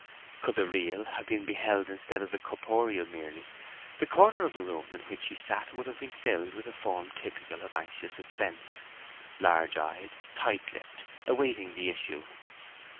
Could the real have been beheld instead of the corporeal merely, the corner of the room in which he sat would have been filled with a form typical of anxious suspense, large eyed, tight lipped, awaiting the issue.